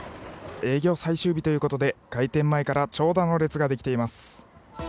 営業最終日ということで開店前から長蛇の列ができています。